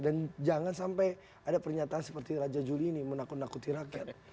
dan jangan sampai ada pernyataan seperti raja juli ini menakut nakuti rakyat